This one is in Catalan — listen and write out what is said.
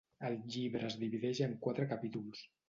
El llibre es divideix en quatre capítols.